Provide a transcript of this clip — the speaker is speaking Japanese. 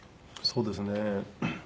そうですね。